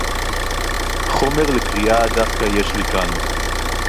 חוֹמֶר לִקְרִיאָה דַוְוקָא יֵש לִי כָּאן.